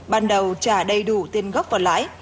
ban đầu trả đầy đủ tiền góp vào lãi